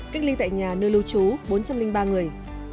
cách ly tại nhà nơi lưu trú bốn trăm linh ba người